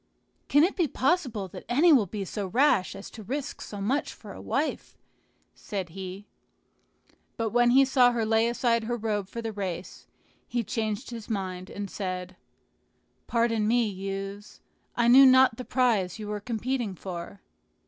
"Can it be possible that any will be so rash as to risk so much for a wife?" said he. But when he saw her lay aside her robe for the race, he changed his mind, and said, "Pardon me, youths, I knew not the prize you were competing for."